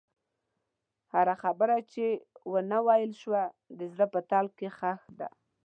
هره خبره چې ونه ویل شوه، د زړه په تله کې ښخ ده.